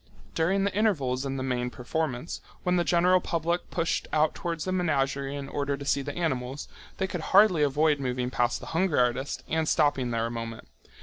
During the intervals in the main performance, when the general public pushed out towards the menagerie in order to see the animals, they could hardly avoid moving past the hunger artist and stopping there a moment.